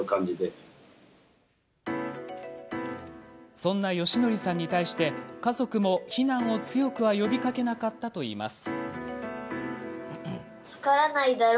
そんな芳徳さんに対して家族も避難を強くは呼びかけなかったといいます。